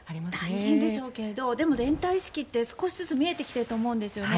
大変でしょうけれどでも、連帯意識って少しずつ見えてきていると思うんですよね。